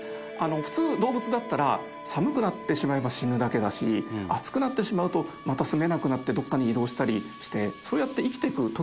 普通動物だったら寒くなってしまえば死ぬだけだし暑くなってしまうとまたすめなくなってどっかに移動したりしてそうやって生きていく。